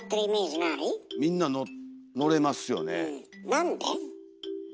なんで？